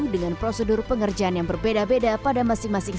dengan prosedur pengerjaan yang berbeda beda pada masing masing